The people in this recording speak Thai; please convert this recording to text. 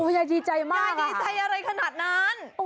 ยายดีใจมากยายดีใจอะไรขนาดนั้น